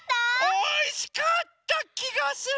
おいしかったきがする。